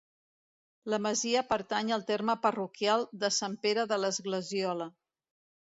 La masia pertany al terme parroquial de Sant Pere de l'Esglesiola.